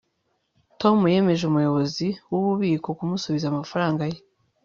tom yemeje umuyobozi wububiko kumusubiza amafaranga ye